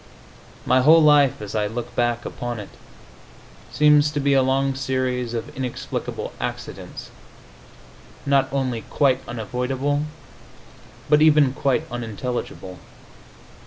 My whole life, as I look back upon it, seems to be a long series of inexplicable accidents, not only quite unavoidable, but even quite unintelligible.